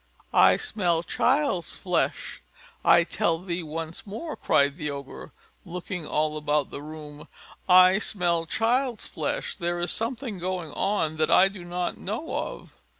"I smell child's flesh, I tell thee once more," cried the Ogre, looking all about the room; "I smell child's flesh; there is something going on that I do not know of."